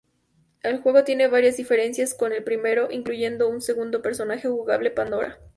El juego tiene varias diferencias con el primero, incluyendo un segundo personaje jugable, Pandora.